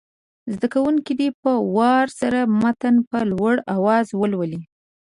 زده کوونکي دې په وار سره متن په لوړ اواز ولولي.